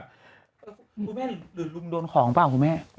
คุณแม่หรือลุงโดนของเปล่าคุณแม่